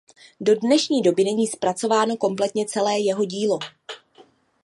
Do dnešní doby není zpracováno kompletně celé jeho dílo.